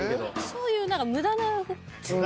そういう何か無駄な動き。